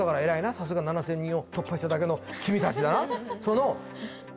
さすが７０００人を突破しただけの君達だな